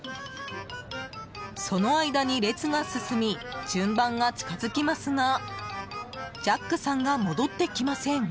その間に列が進み順番が近づきますがジャックさんが戻ってきません。